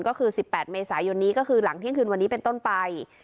ก็คือ๑๘เมษายนนี้ก็คือหลังเที่ยงคืนวันนี้เป็นต้นไป